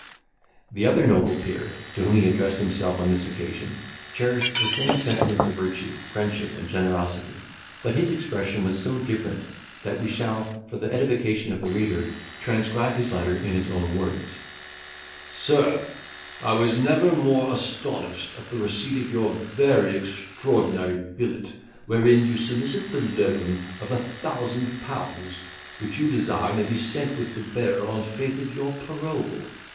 The other noble peer, to whom he addressed himself on this occasion, cherished the same sentiments of virtue, friendship, and generosity; but his expression was so different, that we shall, for the edification of the reader, transcribe his letter in his own words:— "SIR, I was never more astonished than at the receipt of your very extraordinary billet, wherein you solicit the loan of a thousand pounds, which you desire may be sent with the bearer on the faith of your parole.